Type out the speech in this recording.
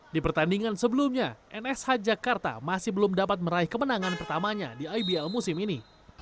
di pertandingan sebelumnya nsh jakarta masih belum dapat meraih kemenangan pertamanya di ibl musim ini